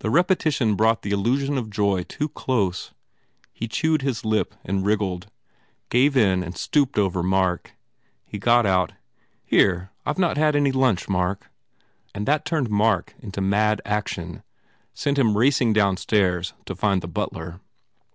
The repetition brought the illusion of joy too close. He chewed his lip and wriggled, gave in and stooped over Mark. He got out, "Here, I ve not had any lunch, Mark," and that turned Mark into mad action, sent him racing downstairs to find the butler.